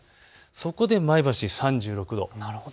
そこで前橋３６度。